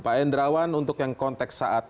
pak hendrawan untuk yang konteks saat